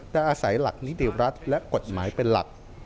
แต่อาศัยหลักนิติรัฐและกฎหมายเป็นหลัก